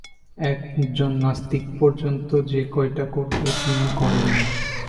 একজন নাস্তিক পর্যন্ত যে-কাজটা করবে, তিনি করেন নি।